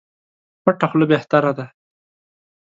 پټه خوله بهتره ده.